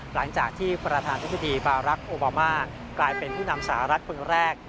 หลังจากที่ประธานธิบดีบารักษ์โอบามากลายเป็นผู้นำสหรัฐคนแรก